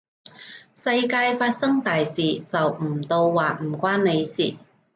世界發生大事，就唔到話唔關你事